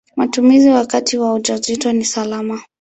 Matumizi wakati wa ujauzito ni salama.